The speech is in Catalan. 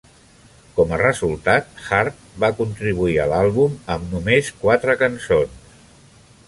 Com a resultat, Hart va contribuir a l'àlbum amb només quatre cançons.